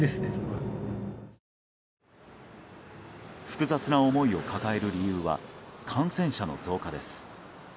複雑な思いを抱える理由は感染者の増加です。